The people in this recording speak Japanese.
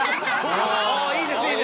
ああいいですいいです。